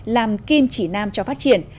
làm kim chỉ nam cho phát triển